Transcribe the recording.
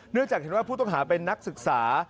เนื่องจากที่ว่าผู้ต้องหาเป็นนักศึกษา